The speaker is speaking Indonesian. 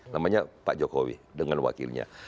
namanya pak jokowi dengan wakilnya